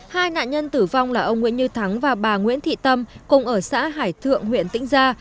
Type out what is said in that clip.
hai nạn nhân tử vong là ông nguyễn như thắng và bà nguyễn thị tâm cùng ở xã hải thượng huyện tĩnh gia